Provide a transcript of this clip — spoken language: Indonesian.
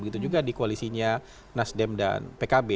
begitu juga di koalisinya nasdem dan pkb